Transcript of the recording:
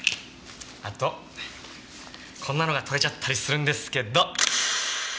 あとこんなのが撮れちゃったりするんですけど。